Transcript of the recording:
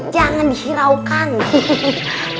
jangan dihiraukan heheheheh